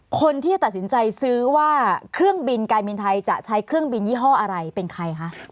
คนที่จะตัดสินใจซื้อว่าเครื่องบินการบินไทยจะใช้เครื่องบินยี่ห้ออะไรเป็นใครคะ